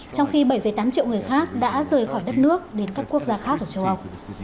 trong khi bảy tám triệu người khác đã rời khỏi đất nước đến các quốc gia khác ở châu âu